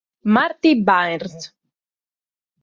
Marty Byrnes